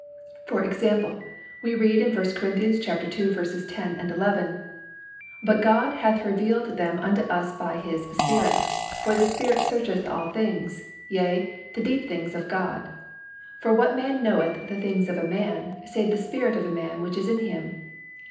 For example, we read in 1 Cor. ii. 10, 11, "But God hath revealed them unto us by His Spirit: for the Spirit searcheth all things, yea, the deep things of God. For what man knoweth the things of a man, save the spirit of man which is in him?